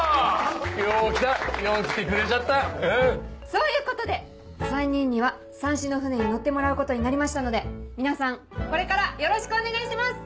そういうことで３人にはさんしの船に乗ってもらうことになりましたので皆さんこれからよろしくお願いします！